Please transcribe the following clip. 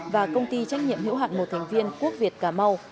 và công ty trách nhiệm hữu hạn một thành viên quốc việt cà mau